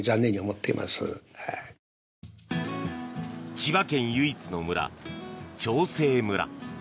千葉県唯一の村、長生村。